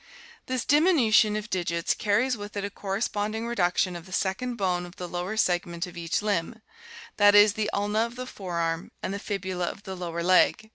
This diminution of digits carries with it a corresponding reduc tion of the second bone of the lower segment of each limb, that is, the ulna of the fore arm and the fibula of the lower leg.